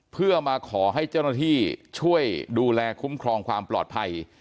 เพื่อมาขอให้เจ้าหน้าที่ช่วยดูแลคุ้มครองความปลอดภัย